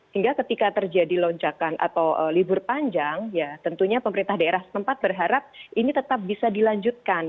sehingga ketika terjadi lonjakan atau libur panjang ya tentunya pemerintah daerah setempat berharap ini tetap bisa dilanjutkan